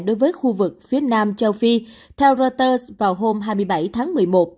đối với khu vực phía nam châu phi theo reuters vào hôm hai mươi bảy tháng một mươi một